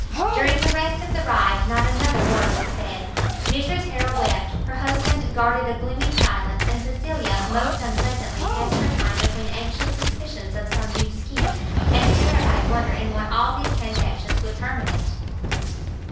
During the rest of the ride not another word was said; Mrs Harrel wept, her husband guarded a gloomy silence, and Cecilia most unpleasantly passed her time between anxious suspicions of some new scheme, and a terrified wonder in what all these transactions would terminate.